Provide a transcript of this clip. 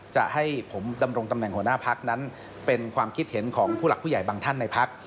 จะให้ผมดำรงตำแหน่งหัวหน้าพักนั้นเป็นความคิดเห็นของผู้หลักผู้ใหญ่บางท่านในพัก